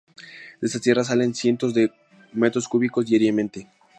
De estas tierras salen cientos de metros cúbicos diariamente.